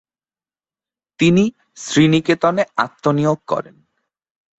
তিনি শ্রীনিকেতনে আত্মনিয়োগ করেন।